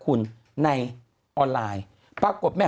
คุณหนุ่มกัญชัยได้เล่าใหญ่ใจความไปสักส่วนใหญ่แล้ว